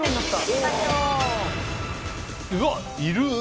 うわ！いる。